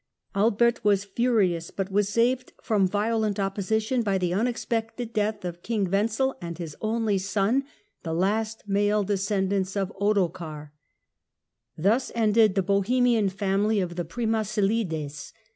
Albert was furious, but was saved from violent opposition by the unexpected death of King Wenzel and his only son, the last male descendants of Ottokar. Thus ended the Bohemian family of the Premy slides.